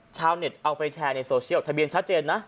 ชาวเน็ตเอาไปแชร์ในโซเชียลทะเบียนชัดเจนนะ